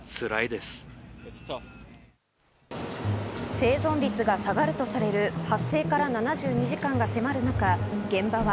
生存率が下がるとされる発生から７２時間が迫る中、現場は。